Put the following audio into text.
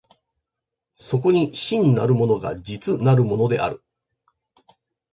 そこに真なるものが実なるものである。